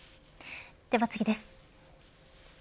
では次です。